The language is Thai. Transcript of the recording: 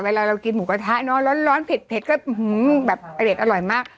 เวลาเรากินหมูกระทะเนอะร้อนร้อนเผ็ดเผ็ดก็อื้อหือแบบอเล็กอร่อยมาก